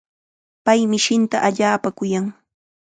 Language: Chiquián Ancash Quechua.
Pay mishinta allaapam kuyan.